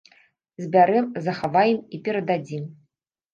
Збярэм, захаваем і перададзім!